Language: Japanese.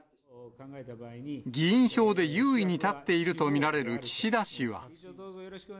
議員票で優位に立っていると見られる岸田氏は。